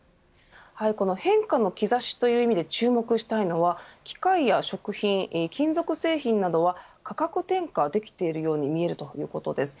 この変化の兆しという意味で注目したいのは機械や食品、金属製品などは価格転嫁できているように見えるということです。